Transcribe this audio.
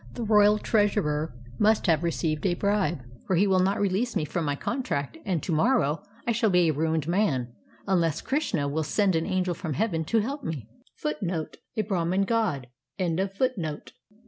The royal treasurer must have received a bribe, for he will not release me from my contract, and to morrow I shall be a ruined man unless Krishna^ will send an angel from heaven to help me."